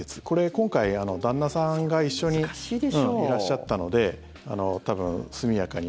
今回、旦那さんが一緒にいらっしゃったので速やかに。